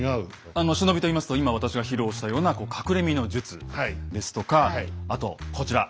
あの忍びといいますと今私が披露したような「隠れ身の術」ですとかあとこちら。